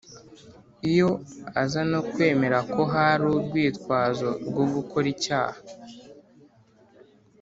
Iyo aza no kwemera ko hari urwitwazo rwo gukora icyaha